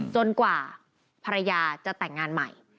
กว่าภรรยาจะแต่งงานใหม่